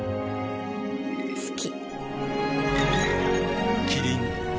好き。